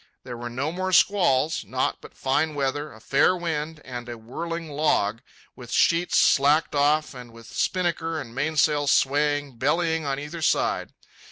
There were no more squalls, naught but fine weather, a fair wind, and a whirling log, with sheets slacked off and with spinnaker and mainsail swaying and bellying on either side.